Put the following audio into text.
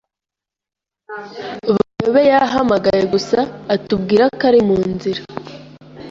Bayobe yahamagaye gusa atubwira ko ari munzira.